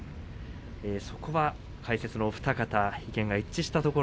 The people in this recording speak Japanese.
そこは解説のお二方意見が一致しました。